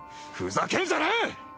ふざけんじゃねえ！